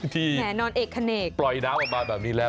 ที่ปล่อยน้ำออกมาแบบนี้แล้ว